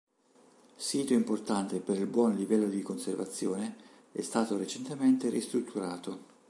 Sito importante per il buon livello di conservazione, è stato recentemente ristrutturato.